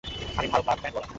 আমি ভারত লাল, ব্যান্ড ওয়ালা।